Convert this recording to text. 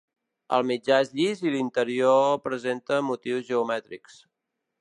El mitjà és llis i l'inferior presenta motius geomètrics.